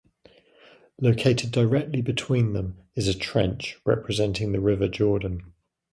Located directly between them is a trench representing the River Jordan.